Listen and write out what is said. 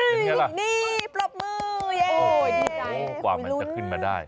โอ้ยกว่ากว่ามันจะขึ้นมาได้